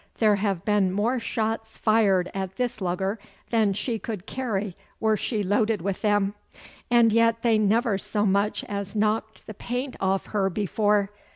There have been more shots fired at this lugger than she could carry wore she loaded with them. And yet they never so much as knocked the paint off her before.